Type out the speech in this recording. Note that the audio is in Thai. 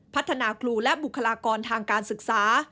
พัฒนาครูและบุคลากรทางการศึกษา